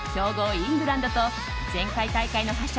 イングランドと前回大会の覇者